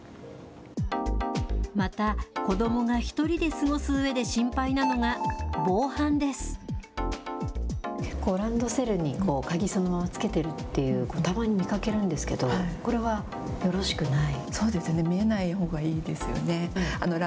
また、子どもが１人で過ごす結構ランドセルに鍵、そのままつけてるっていう子、たまに見かけるんですけど、これはよろしくない。